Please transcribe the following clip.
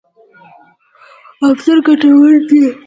افراز ګټور دی.